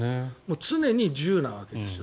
常に銃なわけですよ。